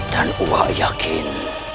dan aku yakin